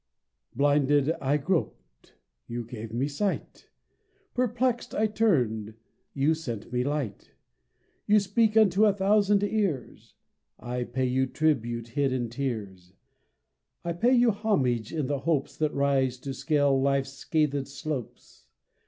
Blinded I groped you gave me sight. Perplexed I turned you sent me light. You speak unto a thousand ears: I pay you tribute in hid tears. I pay you homage in the hopes That rise to scale life's scathèd slopes.